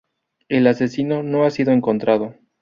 El asesino no ha sido encontrado.